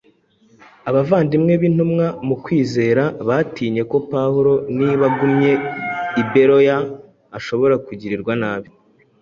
Abavandimwe b’intumwa mu kwizera batinye ko Pawulo niba agumye i Beroya ashobora kugirirwa nabi,